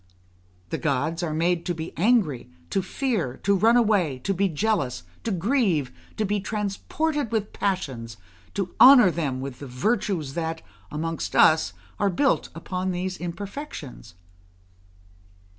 The gods are made to be angry, to fear, to run away, to be jealous, to grieve, to be transported with passions, to honour them with the virtues that, amongst us, are built upon these imperfections.